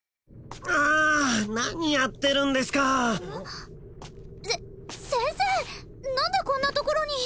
あ何やってるんですかせ先生何でこんなところに？